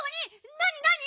なになに？